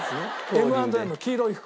Ｍ＆Ｍ’Ｓ黄色い袋。